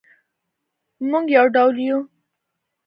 مونږ یو ډول یو